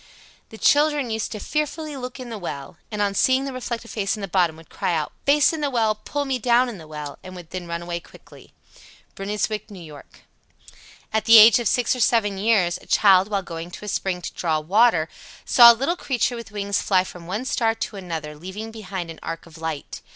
The children used to fearfully look in the well, and on seeing the reflected face in the bottom, would cry out, "Face in the well, pull me down in the well," and would then run away quickly. Bruynswick, N.Y. 86. At the age of six or seven years, a child, while going to a spring to draw water, saw a little creature with wings fly from one star to another, leaving behind an arc of light.